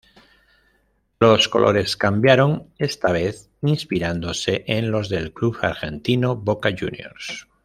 Los colores cambiaron, esta vez inspirándose en los del club argentino Boca Juniors.